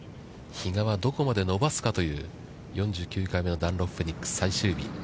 比嘉はどこまで伸ばすかという４９回目のダンロップフェニックス、最終日。